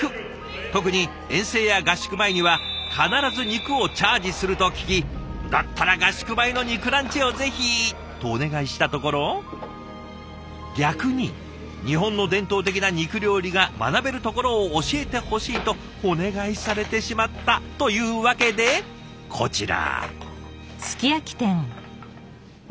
特に遠征や合宿前には必ず肉をチャージすると聞きだったら合宿前の肉ランチをぜひ！とお願いしたところ逆に「日本の伝統的な肉料理が学べるところを教えてほしい」とお願いされてしまったというわけでこちら。